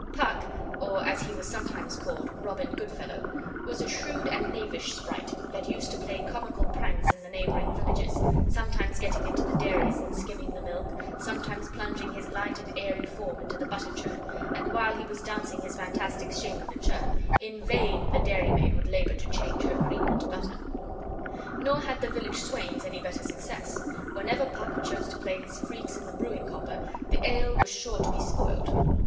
Puck (or, as he was sometimes called, Robin Goodfellow) was a shrewd and knavish sprite, that used to play comical pranks in the neighboring villages; sometimes getting into the dairies and skimming the milk, sometimes plunging his light and airy form into the butter churn, and while he was dancing his fantastic shape in the churn, in vain the dairymaid would labor to change her cream into butter. Nor had the village swains any better success; whenever Puck chose to play his freaks in the brewing copper, the ale was sure to be spoiled.